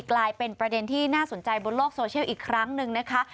กลายเป็นประเด็นที่น่าสนใจบนโลกโซเชียลอีกครั้งหนึ่งนะคะ